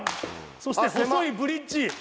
そして細いブリッジ。